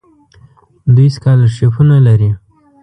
دوی سکالرشیپونه لري.